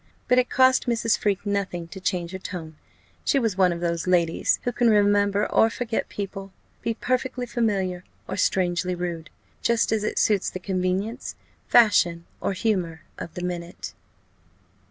But it cost Mrs. Freke nothing to change her tone: she was one of those ladies who can remember or forget people, be perfectly familiar or strangely rude, just as it suits the convenience, fashion, or humour of the minute.